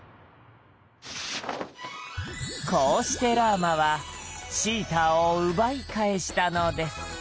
こうしてラーマはシーターを奪い返したのです。